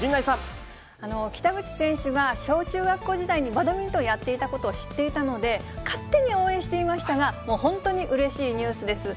北口選手は、小中学校時代にバドミントンをやっていたことを知っていたので、勝手に応援していましたが、もう本当にうれしいニュースです。